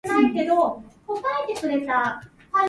駅を出ると、にぎやかな街並みが広がる